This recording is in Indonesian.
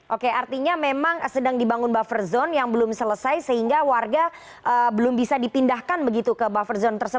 oke artinya memang sedang dibangun buffer zone yang belum selesai sehingga warga belum bisa dipindahkan begitu ke buffer zone